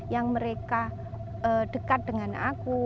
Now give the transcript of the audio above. yang mereka dekat dengan aku